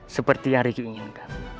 seperti yang riki inginkan